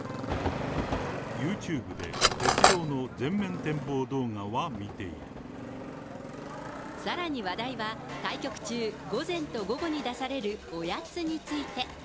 ユーチューブで、さらに話題は、対局中、午前と午後に出される、おやつについて。